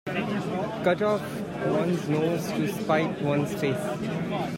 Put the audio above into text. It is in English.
Cut off one's nose to spite one's face.